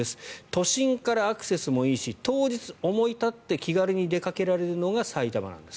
都心からアクセスもいいし当日思い立って気軽に出かけられるのが埼玉なんです。